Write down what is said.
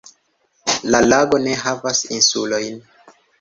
La lago ne havas insulojn.